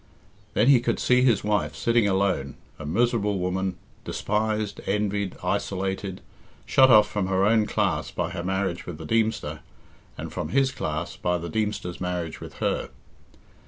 Then he could see his wife sitting alone, a miserable woman, despised envied, isolated, shut off from her own class by her marriage with the Deemster, and from his class by the Deemster's marriage with her.